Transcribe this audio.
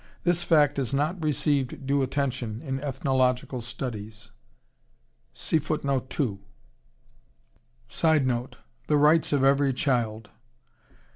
This fact has not received due attention in ethnological studies. [Sidenote: The rights of every child.